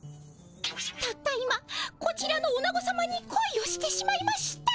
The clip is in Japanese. たった今こちらのおなごさまにこいをしてしまいました。